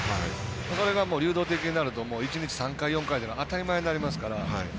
それが流動的になると１日、３回４回というのは当たり前になりますから。